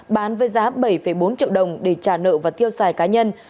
bán với giá bảy bốn triệu đồng để trả nợ và tiêu xài cá nhân